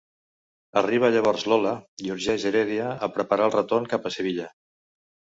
Arriba llavors Lola i urgeix Heredia a preparar el retorn cap a Sevilla.